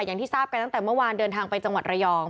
อย่างที่ทราบกันตั้งแต่เมื่อวานเดินทางไปจังหวัดระยอง